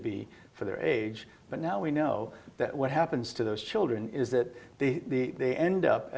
mereka berikan untuk umur mereka